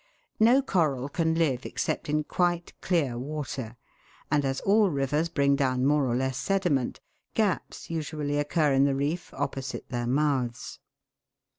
No coral can live except in quite clear water ; and as all rivers bring down more or less sediment, gaps usually occur in the reef opposite their mouths.